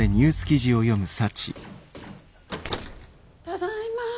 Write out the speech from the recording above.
ただいま。